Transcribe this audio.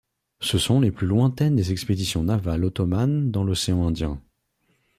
Ce sont les plus lointaines des expéditions navales ottomanes dans l'océan Indien.